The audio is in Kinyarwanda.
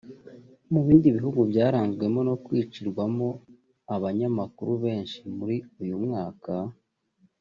Mu bindi bihugu byaranzwe no kwicirwamo abanyamakuru benshi muri uyu mwaka